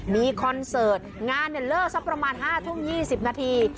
มีคอนเสิร์ตงานเลิกสักประมาณ๕ทุ่ม๒๐นาที